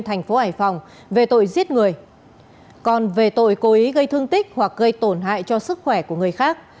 thành phố hải phòng về tội giết người còn về tội cố ý gây thương tích hoặc gây tổn hại cho sức khỏe của người khác